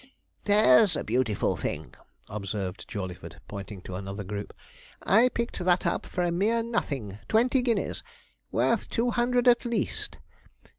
'There's a beautiful thing!' observed Jawleyford, pointing to another group. 'I picked that up for a mere nothing twenty guineas worth two hundred at least.